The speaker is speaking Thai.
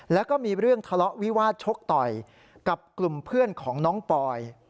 แล้วก็มีเรื่องทะเลาะวิวาสชกต่อยกับกลุ่มเพื่อนของน้องปอย